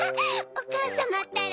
おかあさまったら。